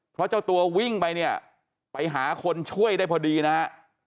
เพราะเจ้าตัววิ่งไปเนี่ยไปหาคนช่วยได้พอดีนะฮะ